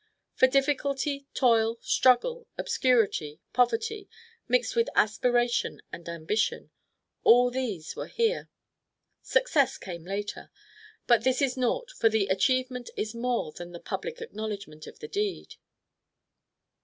For difficulty, toil, struggle, obscurity, poverty, mixed with aspiration and ambition all these were here. Success came later, but this is naught; for the achievement is more than the public acknowledgment of the deed.